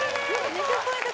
２０ポイント